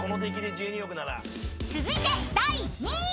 ［続いて第２位］